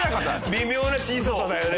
微妙な小ささだよね。